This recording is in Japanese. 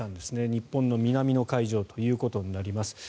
日本の南の海上ということになります。